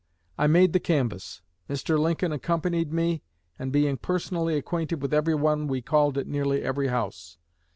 I made the canvass. Mr. Lincoln accompanied me, and being personally acquainted with everyone we called at nearly every house.